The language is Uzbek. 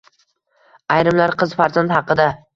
Ayrimlar qiz farzand haqida: